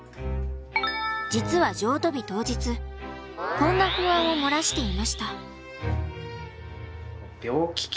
実は譲渡日当日こんな不安を漏らしていました。